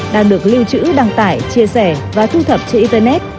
đang được lưu trữ đăng tải chia sẻ và thu thập trên internet